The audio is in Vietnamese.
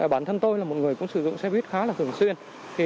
bản thân tôi là một người cũng sử dụng xe buýt khá là thường xuyên